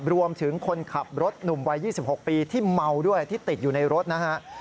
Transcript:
รวมถึงคนขับรถหนุ่มวัย๒๖ปีที่เมาด้วยที่ติดอยู่ในรถนะฮะ